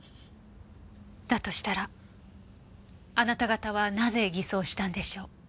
だとしたらあなた方はなぜ偽装したんでしょう？